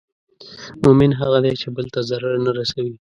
مؤمن هغه دی چې بل ته ضرر نه رسوي.